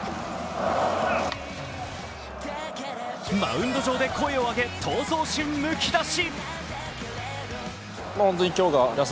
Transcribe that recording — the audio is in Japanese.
マウンド上で声を上げ闘争心むき出し。